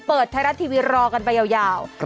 เปิดไทยรัฐทีวีรอกันไปยาว